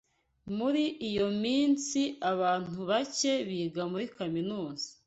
Muri iyo minsi, abantu bake biga muri kaminuza.